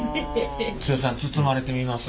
剛さん包まれてみます？